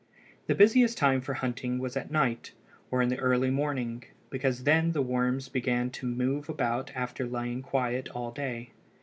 The busiest time for hunting was at night, or in the early morning, because then the worms began to move about after lying quiet all day.